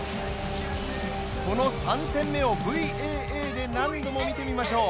この３点目をＶＡＡで何度も見てみましょう。